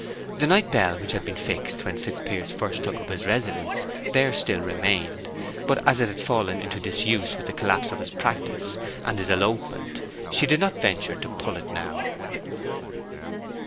The night bell which had been fixed when Fitzpiers first took up his residence there still remained; but as it had fallen into disuse with the collapse of his practice, and his elopement, she did not venture to pull it now.